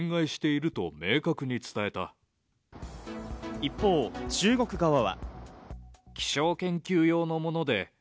一方、中国側は。